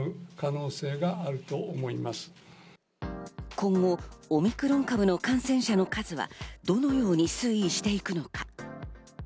今後、オミクロン株の感染者の数はどのように推移していくのか。